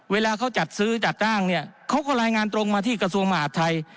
เวลาเขาจัดซื้อจัดจ้างเนี่ยเขาก็รายงานตรงมาที่กระทรวงมหาดไทย